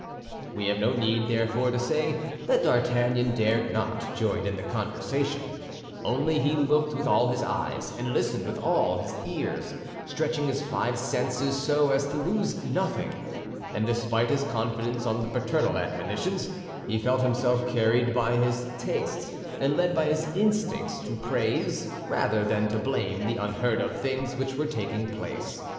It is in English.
We have no need, therefore, to say that D'Artagnan dared not join in the conversation, only he looked with all his eyes and listened with all his ears, stretching his five senses so as to lose nothing; and despite his confidence on the paternal admonitions, he felt himself carried by his tastes and led by his instincts to praise rather than to blame the unheard of things which were taking place.